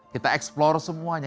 kita mencari semuanya